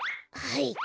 はい。